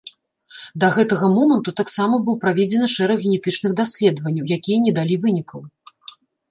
Да гэтага моманту таксама быў праведзены шэраг генетычных даследаванняў, якія не далі вынікаў.